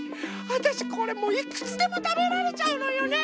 わたしこれもういくつでもたべられちゃうのよね！